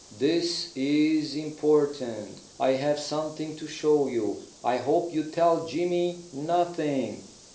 This is important. I have something to show you. I hope you tell Jimy nothing.